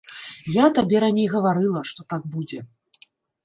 Я табе раней гаварыла, што так будзе.